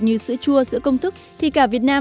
như sữa chua sữa công thức